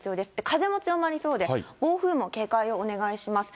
風も強まりそうで、暴風も警戒をお願いします。